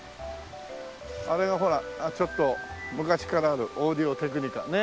あれがほらちょっと昔からあるオーディオテクニカね。